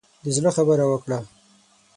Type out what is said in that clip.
د زړه خبره وکړه.